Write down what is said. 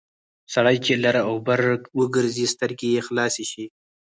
سړی چې لر او بر وګرځي سترګې یې خلاصې شي...